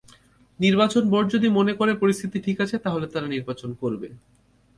নির্বাচন বোর্ড যদি মনে করে, পরিস্থিতি ঠিক আছে তাহলে তারা নির্বাচন করবে।